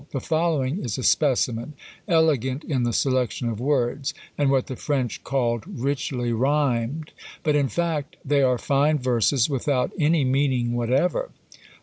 The following is a specimen, elegant in the selection of words, and what the French called richly rhymed, but in fact they are fine verses without any meaning whatever.